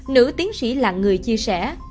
nữ tiến sĩ là người chia sẻ